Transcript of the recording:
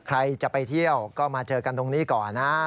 ใครจะไปเที่ยวก็มาเจอกันตรงนี้ก่อนนะ